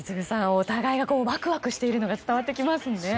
お互いがワクワクしているのが伝わってきますね。